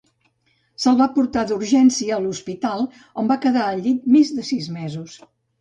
Se'l va portar d'urgència a l'hospital on va quedar al llit més de sis mesos.